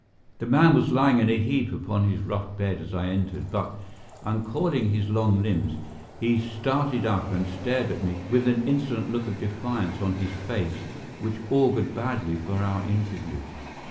The man was lying in a heap upon his rough bed as I entered, but, uncoiling his long limbs, he started up and stared at me with an insolent look of defiance on his face which augured badly for our interview.